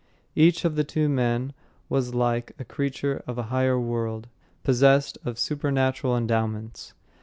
Each of the two men was like a creature of a higher world, possessed of supernatural endowments.